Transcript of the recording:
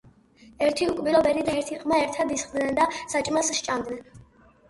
ერთი უკბილო ბერი და ერთი ყმა ერთად ისხდენ და საჭმელს სჭამდნენ.